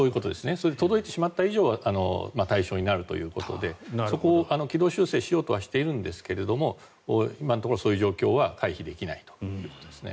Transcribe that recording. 届いてしまった以上は対象になるということでそこを軌道修正しようとはしているんですが今のところ、そういう状況は回避できないということですね。